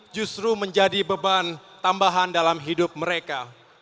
justru menjadi beban tambahan dalam hidup mereka